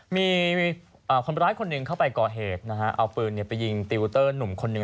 มีคนร้ายคนหนึ่งเข้าไปก่อเหตุนะฮะเอาปืนไปยิงติวเตอร์หนุ่มคนหนึ่ง